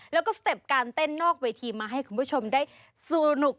แล้วก็สเต็ปการเต้นนอกเวทีมาให้คุณผู้ชมได้สนุก